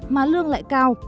mà lương lại cao